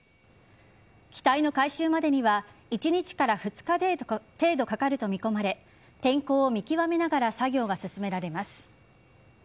機体の回収までには１日から２日程度かかると見込まれ天候を見極めながら作業が進められます。